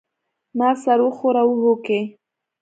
ما سر وښوراوه هوکې.